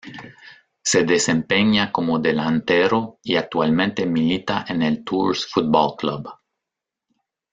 Se desempeña como delantero y actualmente milita en el Tours Football Club.